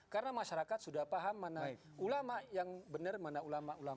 karena masyarakat sudah paham mana ulama yang benar mana ulama ulama